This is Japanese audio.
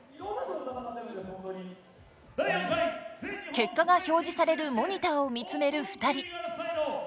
結果が表示されるモニターを見つめる２人。